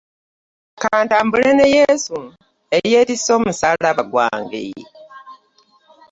Kantambule ne Yesu ey'ettise omusaalaba gwange.